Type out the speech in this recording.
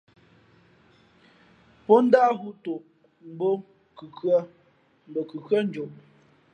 Pó ndáh hǔ tok mbō khǔkǔʼkaʼ mbα kʉkhʉ́ά njoʼ.